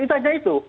itu hanya itu